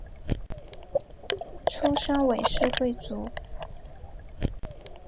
出身韦氏贵族。